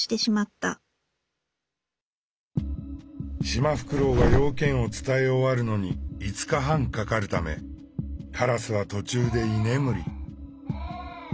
シマフクロウが用件を伝え終わるのに５日半かかるためカラスは途中で居眠り。